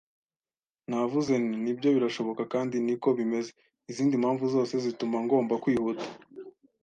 Navuze nti: “Nibyo, birashoboka, kandi ni ko bimeze; izindi mpamvu zose zituma ngomba kwihuta